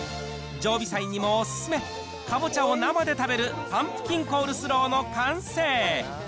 常備菜にもお勧め、かぼちゃを生で食べるパンプキンコールスローの完成。